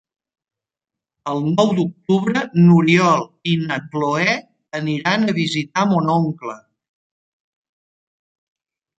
El nou d'octubre n'Oriol i na Cloè aniran a visitar mon oncle.